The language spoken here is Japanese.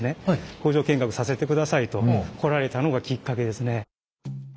「工場見学させてください」と来られたのがきっかけですね。